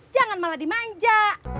jangan malah dimanja